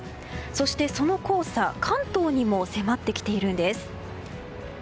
そして、その黄砂関東にも迫ってきているんです。